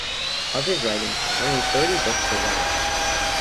Of his writings, only thirty books survive.